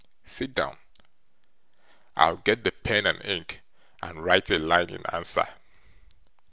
Sit down. I'll get the pen and ink, and write a line in answer.